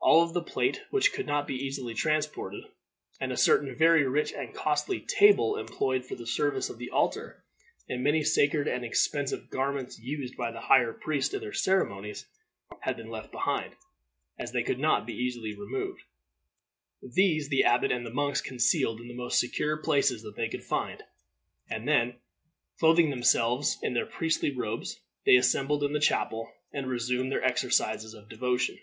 All of the plate which could not be easily transported, and a certain very rich and costly table employed for the service of the altar, and many sacred and expensive garments used by the higher priests in their ceremonies, had been left behind, as they could not be easily removed. These the abbot and the monks concealed in the most secure places that they could find, and then, clothing themselves in their priestly robes, they assembled in the chapel, and resumed their exercises of devotion.